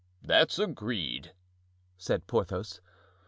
"That's agreed," said Porthos.